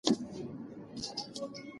کوم مهارت ته تر ټولو ډېره اړتیا لرې؟